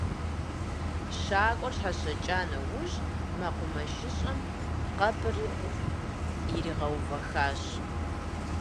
Щакӏуэр щхьэщыкӏа нэужь, мэкъумэшыщӏэм къэпыр иригъэувэхащ.